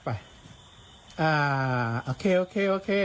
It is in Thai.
อ่าโอเคโอเค